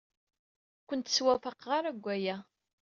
Ur kent-ttwafaqeɣ ara deg waya.